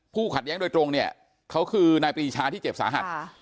ขัดแย้งโดยตรงเนี่ยเขาคือนายปรีชาที่เจ็บสาหัส